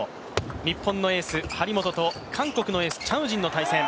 日本のエース、張本と韓国のエースチャン・ウジンの対戦。